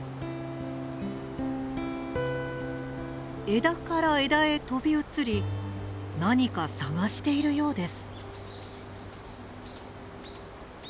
枝から枝へ飛び移り何か探しているようです。